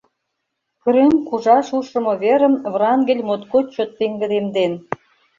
Крым кужаш ушымо верым Врангель моткоч чот пеҥгыдемден.